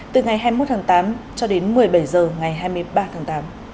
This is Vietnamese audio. từ ngày hai mươi một tháng tám cho đến một mươi bảy h ngày hai mươi ba tháng tám